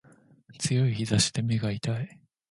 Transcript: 強い日差しで目が痛い